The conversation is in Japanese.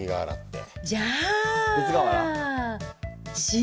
じゃあ。